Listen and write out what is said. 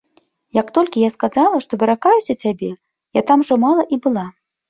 Як толькі я сказала, што выракаюся цябе, я там ужо мала і была.